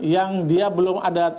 yang dia belum ada